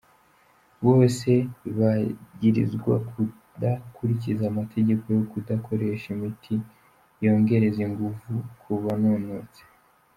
Bose bagirizwa kudakurikiza amategeko yo kudakoresha imiti yongereza inguvu ku banonotsi.